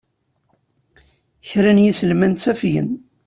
Kra n yiselman ttafgen.